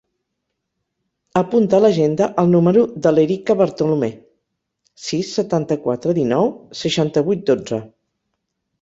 Apunta a l'agenda el número de l'Erica Bartolome: sis, setanta-quatre, dinou, seixanta-vuit, dotze.